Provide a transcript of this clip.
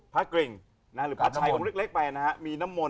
พระกริริริงหรือพระชายเร็กไป